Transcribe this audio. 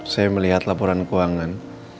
saya melihat laporan keuangan